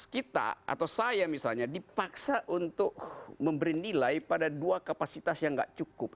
kita atau saya misalnya dipaksa untuk memberi nilai pada dua kapasitas yang tidak cukup